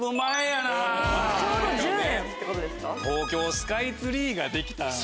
東京スカイツリーが出来た。